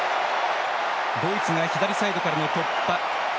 ドイツが左サイドからの突破。